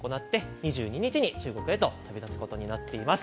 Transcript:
２２日に中国へと旅立つことになっています。